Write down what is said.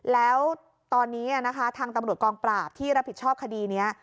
แล้วตอนนี้นะคะทางตำรวจกองปราบที่รับผิดชอบคดีนี้